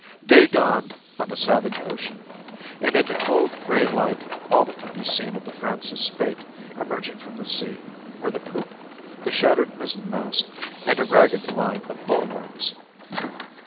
Day dawned on the savage ocean, and in the cold gray light all that could be seen of the Francis Spaight emerging from the sea were the poop, the shattered mizzenmast, and a ragged line of bulwarks.